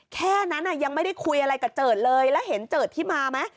แค่นั้นยังไม่ได้คุยอะไรกับเจิดเลยแล้วเห็นเจิดที่มาไหม